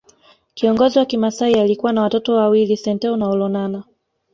Kiongozi wa kimasai alikuwa na watoto wawili Senteu na Olonana